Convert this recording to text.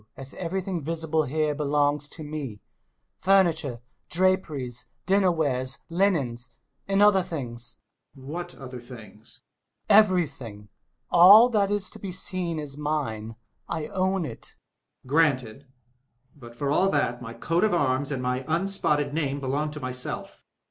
.. .as everything visible here belongs to me .... furniture, draperies, dinner ware, linen and other things! Colonel. What other things ? Hummel. Everjrthing ! All that is to be seen is mine ! I own it! Colonel. Granted! But for all that, my coat of arms and my unspotted name belong to myself.